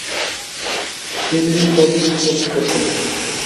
তিন দিন পর বীজ বপন করতে হবে।